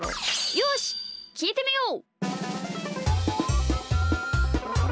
よしきいてみよう！